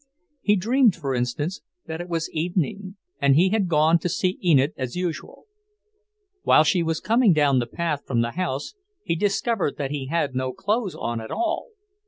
He dreamed, for instance, that it was evening, and he had gone to see Enid as usual. While she was coming down the path from the house, he discovered that he had no clothes on at all!